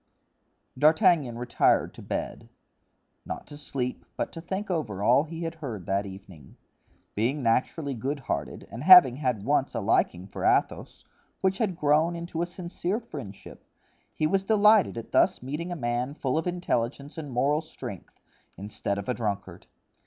D'Artagnan retired to bed—not to sleep, but to think over all he had heard that evening. Being naturally goodhearted, and having had once a liking for Athos, which had grown into a sincere friendship, he was delighted at thus meeting a man full of intelligence and moral strength, instead of a drunkard.